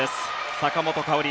坂本花織。